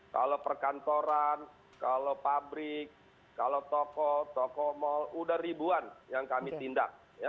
kalau perkantoran kalau pabrik kalau toko toko mal sudah ribuan yang kami tindak